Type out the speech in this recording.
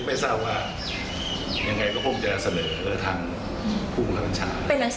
ไม่เจ้าว่าอย่างไรก็คงจะเสนอแบบทางผู้รับวัญชา